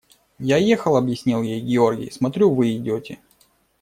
– Я ехал, – объяснил ей Георгий, – смотрю, вы идете.